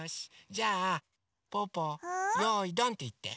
じゃあぽぅぽ「よいどん」っていって。